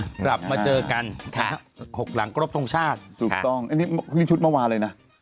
กลับมาเจอกัน๖หลังครบทรงชาติถูกต้องอันนี้นี่ชุดเมื่อวานเลยนะ